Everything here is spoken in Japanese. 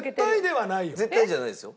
絶対じゃないですよ。